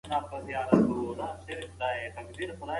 د خلکو چلند د ټولنې کلتور څرګندوي.